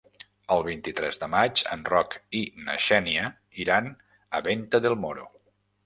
El vint-i-tres de maig en Roc i na Xènia iran a Venta del Moro.